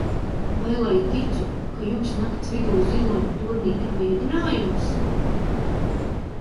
Vai lai ticu, ka jums nakts vidū ziloņa tornī ir mēģinājums?